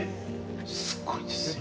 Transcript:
すごいですよ。